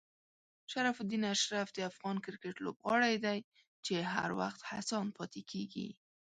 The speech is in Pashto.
شرف الدین اشرف د افغان کرکټ لوبغاړی دی چې هر وخت هڅاند پاتې کېږي.